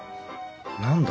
何だ？